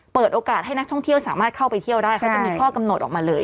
เปิดโอกาสให้นักท่องเที่ยวสามารถเข้าไปเที่ยวได้เขาจะมีข้อกำหนดออกมาเลย